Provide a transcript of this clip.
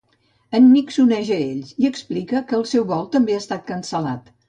En Nick s'uneix a ells, i explica que el seu vol també ha estat cancel·lat.